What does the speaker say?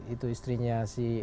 itu istrinya si